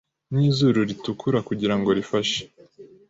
Nizuru ritukura kugirango rifashe